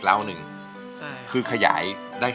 อันดับนี้เป็นแบบนี้